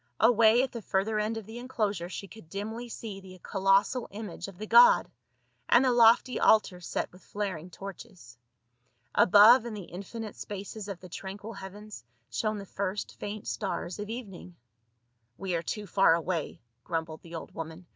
Away at the further end of the enclosure she could dimly see the colossal image of the god, and the lofty altar set with flaring torches. Above in the infinite spaces of the tranquil heavens shone the first faint stars of evening. "We are too far away," grumbled the old woman.